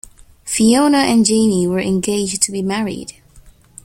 Fiona and Jamie were engaged to be married.